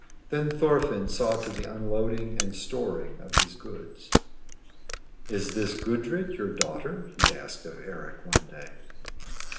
Then Thorfinn saw to the unloading and storing of his goods. "Is this Gudrid your daughter?" he asked of Eric one day.